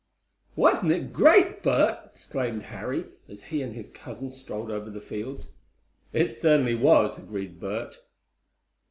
"Wasn't it great, Bert!" exclaimed Harry, as he and his cousin strolled over the fields. "It certainly was," agreed Bert.